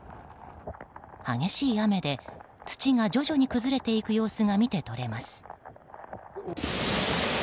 激しい雨で、土が徐々に崩れていく様子が見て取れます。